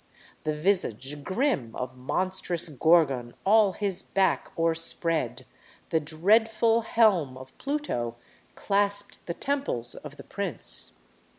........ The visage grim Of monstrous Gorgon all his back o'erspread; ........ the dreadful helm Of Pluto clasp'd the temples of the prince.